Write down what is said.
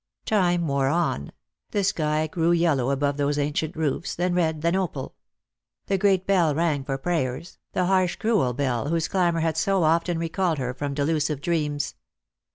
Time wore on ; the sky grew yellow above those ancient roofs, then red, then opal. The great bell rang for prayers, the harsh cruel bell whose clamour had so often recalled her from delusive dreams.